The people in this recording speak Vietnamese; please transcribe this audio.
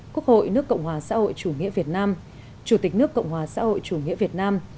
quốc hội nước cộng hòa xã hội chủ nghĩa việt nam chủ tịch nước cộng hòa xã hội chủ nghĩa việt nam